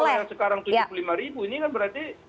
kalau yang sekarang tujuh puluh lima ribu ini kan berarti